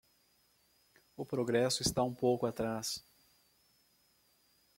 O progresso está um pouco atrás